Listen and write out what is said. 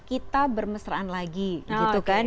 kita bermesraan lagi gitu kan